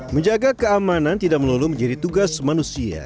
menjaga keamanan tidak melulu menjadi tugas manusia